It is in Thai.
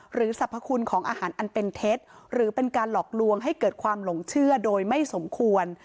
สรรพคุณของอาหารอันเป็นเท็จหรือเป็นการหลอกลวงให้เกิดความหลงเชื่อโดยไม่สมควร